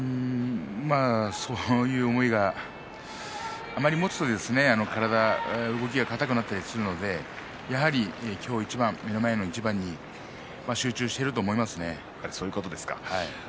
そういう思いをあまりに持つと体が、動きが硬くなったりしますので今日、一番、目の前の一番に集中していると思いますね。